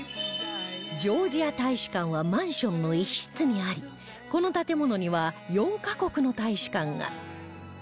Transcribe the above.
ジョージア大使館はマンションの一室にありこの建物には４カ国の大使館が